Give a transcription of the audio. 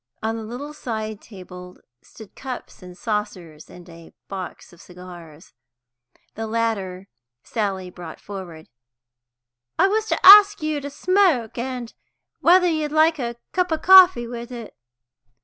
On a little side table stood cups and saucers, and a box of cigars. The latter Sally brought forward. "I was to ask you to smoke, and whether you'd like a cup of coffee with it?"